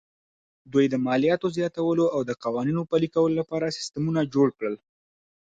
دوی د مالیاتو زیاتولو او د قوانینو پلي کولو لپاره سیستمونه جوړ کړل